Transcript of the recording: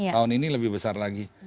tahun ini lebih besar lagi